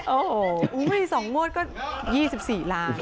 โอ้โห๒งวดก็๒๔ล้าน